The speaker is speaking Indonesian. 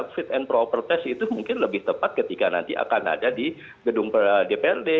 fit and proper test itu mungkin lebih tepat ketika nanti akan ada di gedung dprd